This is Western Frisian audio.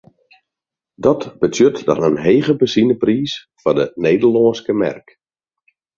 Dat betsjut dan in hege benzinepriis foar de Nederlânske merk.